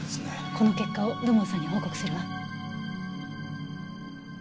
この結果を土門さんに報告するわ。